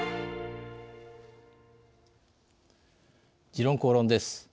「時論公論」です。